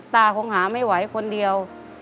ตาคงหาไม่ไหวคนเดียว